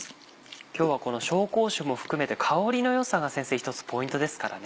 今日はこの紹興酒も含めて香りの良いが先生一つポイントですからね。